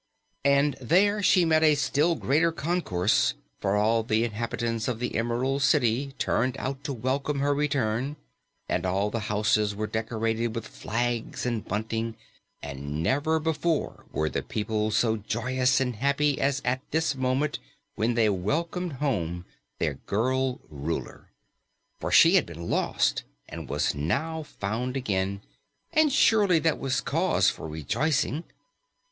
And there she met a still greater concourse, for all the inhabitants of the Emerald City turned out to welcome her return, and all the houses were decorated with flags and bunting, and never before were the people so joyous and happy as at this moment when they welcomed home their girl Ruler. For she had been lost and was now found again, and surely that was cause for rejoicing.